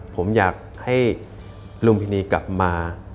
ผมอยากให้ลุงพินีกลับมา